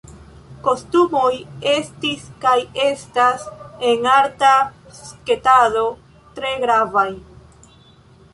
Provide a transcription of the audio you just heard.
Kostumoj estis kaj estas en arta sketado tre gravaj.